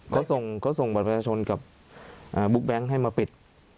เขาส่งบัตรประชาชนกับบุ๊กแบงค์ให้มาปิด